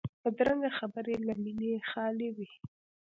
بدرنګه خبرې له مینې خالي وي